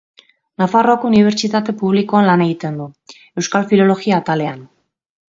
Nafarroako Unibertsitate Publikoan lan egiten du, Euskal Filologia atalean.